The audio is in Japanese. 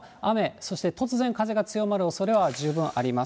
そして突然風が強まるおそれは十分あります。